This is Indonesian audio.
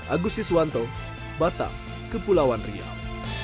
agusti swanto batam kepulauan riau